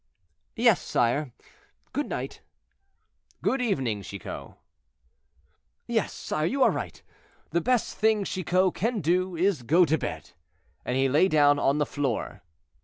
"Yes, sire; good night." "Good evening, Chicot." "Yes, sire, you are right; the best thing Chicot can do is to go to bed." And he lay down on the floor.